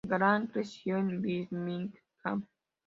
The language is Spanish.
Grand creció en Birmingham.